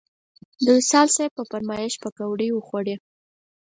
د وصال صیب په فرمایش پکوړې وخوړې.